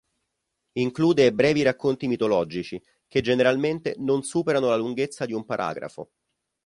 Include brevi racconti mitologici, che generalmente non superano la lunghezza di un paragrafo.